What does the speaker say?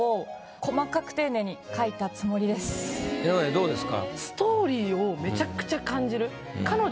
江上どうですか？